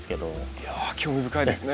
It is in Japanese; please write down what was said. いや興味深いですね。